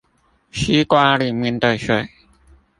西瓜裡面的水